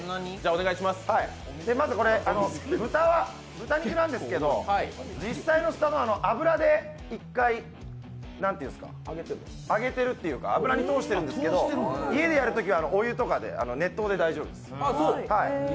まず豚は豚肉なんですけど実際のすた丼、油で１回揚げてるっていうか油に通しているんですけど家でやるときは熱湯で大丈夫です。